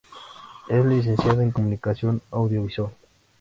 Es licenciado en Comunicación Audiovisual.